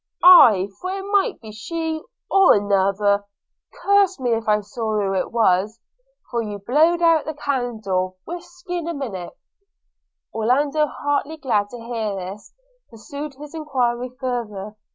'Aye, for it might be she, or another – Curse me if I saw who it was! for you blow'd out the candle, whisk! in a minute.' Orlando, heartily glad to hear this, pursued his enquiry farther.